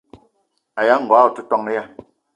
Aya ngogo o te ton ya?